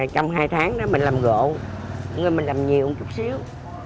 trong hai tháng mình làm gộ mình làm nhiều một chút xíu